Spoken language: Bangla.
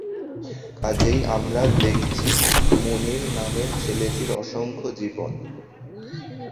কাজেই আমরা দেখছি মুনির নামের ছেলেটির অসংখ্য জীবন।